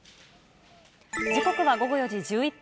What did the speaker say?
時刻は午後４時１１分。